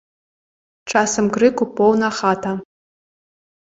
Часам крыку поўна хата.